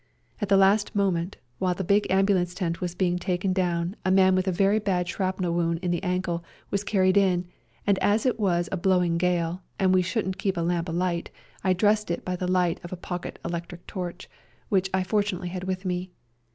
At the last moment, while the big ambulance tent was being taken down, a man with a very bad shrapnel wound in the ankle was carried in, and as it was blowing a gale, and we couldn't keep a lamp alight, I dressed it by the light of a pocket electric torch, 32 A SERBIAN AMBULANCE which I fortunately had with me.